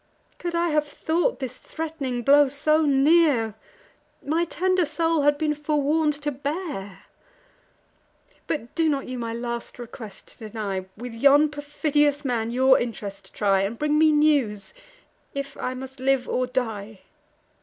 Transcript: Could I have thought this threat'ning blow so near, My tender soul had been forewarn'd to bear. But do not you my last request deny; With yon perfidious man your int'rest try, And bring me news, if I must live or die.